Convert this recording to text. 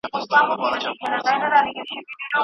کمپيوټر د بندر سره مرسته کوي.